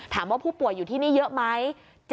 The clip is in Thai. ถามว่าผู้ป่วยอยู่ที่นี่เยอะไหม